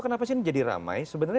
kenapa sih ini jadi ramai sebenarnya